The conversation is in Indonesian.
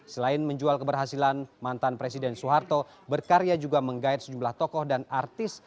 selain menjual keberhasilan mantan presiden soeharto berkarya juga menggait sejumlah tokoh dan artis